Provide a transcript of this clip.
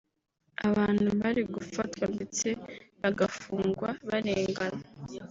abantu bari gufatwa ndetse bagafungwa barengana